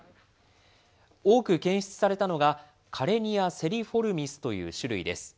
多く検出されたのが、カレニア・セリフォルミスという種類です。